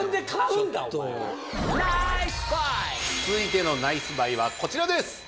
続いてのナイスバイはこちらです。